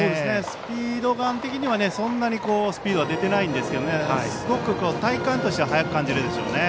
スピードガン的にはそんなにスピードは出てませんがすごく体感としては速く感じるでしょうね。